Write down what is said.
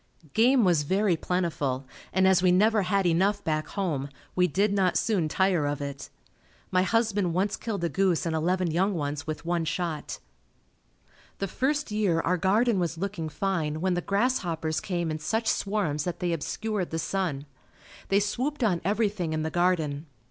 Game was very plentiful and as we never had enough back home, we did not soon tire of it. My husband once killed a goose and eleven young ones with one shot. The first year our garden was looking fine when the grasshoppers came in such swarms that they obscured the sun. They swooped on everything in the garden.